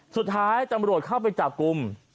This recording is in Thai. สุดท้ายตำรวจเข้าไปจับกลุ่ม